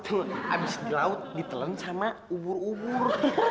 habis di laut ditelen sama ubur ubur